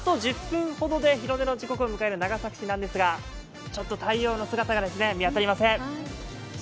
あと１０分ほどで日の出の時刻を迎える長崎市なんですが、太陽の姿が見当たりません。